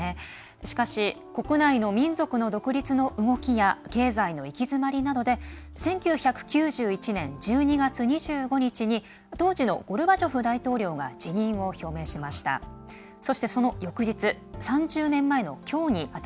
しかし、国内の民族の独立の動きや経済の行き詰まりなどで１９９１年１２月２５日に当時のゴルバチョフ大統領が辞任を表明しました。